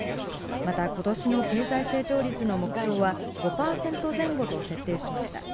またことしの経済成長率の目標は、５％前後と設定しました。